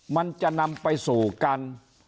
มันจะนำไปสู่การ